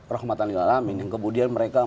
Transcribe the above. rahmatan ilalamin yang kemudian mereka